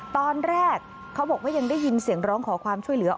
ตอนแรกเขาบอกว่ายังได้ยินเสียงร้องขอความช่วยเหลือ